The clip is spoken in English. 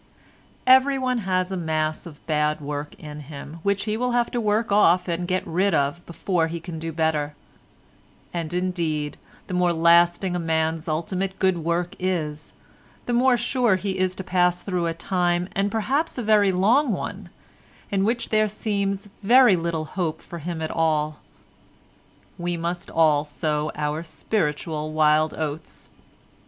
Everyone has a mass of bad work in him which he will have to work off and get rid of before he can do better—and indeed, the more lasting a man's ultimate good work is, the more sure he is to pass through a time, and perhaps a very long one, in which there seems very little hope for him at all. We must all sow our spiritual wild oats.